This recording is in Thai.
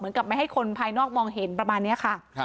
กับไม่ให้คนภายนอกมองเห็นประมาณนี้ค่ะ